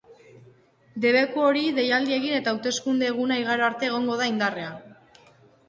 Debeku hori deialdia egin eta hauteskunde-eguna igaro arte egongo da indarrean.